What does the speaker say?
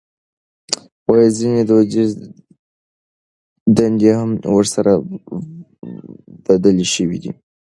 ځينې دوديزې دندې هم ورسره بدلې شوې دي.